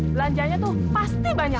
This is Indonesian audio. belanjanya tuh pasti banyak